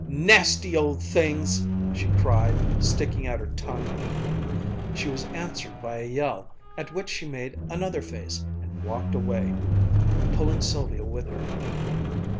"Nasty old things!" she cried, sticking out her tongue at them. She was answered by a yell, at which she made another face and walked away, pulling Sylvia with her.